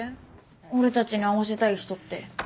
・俺たちに会わせたい人って。